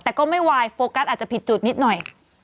แต่ก็ไม่วายโฟกัสอาจจะผิดจุดนิดหน่อย